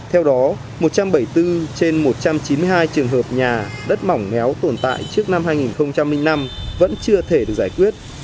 theo đó một trăm bảy mươi bốn trên một trăm chín mươi hai trường hợp nhà đất mỏng héo tồn tại trước năm hai nghìn năm vẫn chưa thể được giải quyết